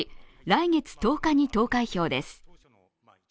来月１０日に投開票です。